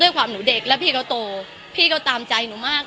ด้วยความหนูเด็กและพี่เขาโตพี่เขาตามใจหนูมาก